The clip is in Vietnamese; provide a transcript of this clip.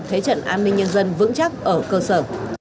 thế trận an ninh nhân dân vững chắc ở cơ sở